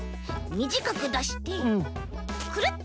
みじかくだしてくるっ！